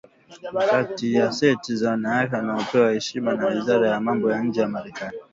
ni kati ya seti za wanawake wanaopewa heshima na Wizara ya Mambo ya Nje ya Marekani